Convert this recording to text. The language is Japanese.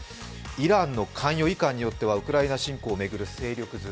イランの関与いかんによっては、ウクライナ侵攻に関する勢力図